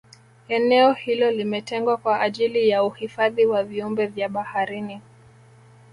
eneo hilo limetengwa kwa ajili ya uhifadhi wa viumbe vya baharini